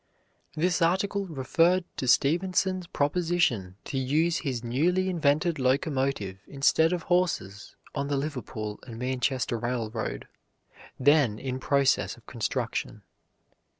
This article referred to Stephenson's proposition to use his newly invented locomotive instead of horses on the Liverpool and Manchester Railroad, then in process of construction.